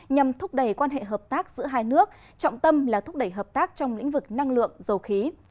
nhằm thúc đẩy quan hệ hợp tác giữa hai nước trọng tâm là thúc đẩy hợp tác trong lĩnh vực năng lượng dầu khí